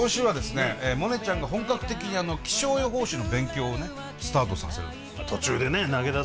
モネちゃんが本格的に気象予報士の勉強をねスタートさせるんですよ。